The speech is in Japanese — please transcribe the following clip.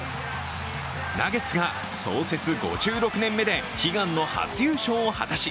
ナゲッツが創設５６年目で悲願の初優勝を果たし